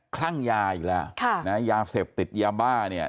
คลั่งยาอยู่แล้วค่ะนะยาเสพติดยาบ้าเนี่ย